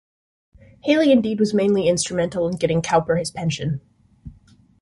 Hayley indeed was mainly instrumental in getting Cowper his pension.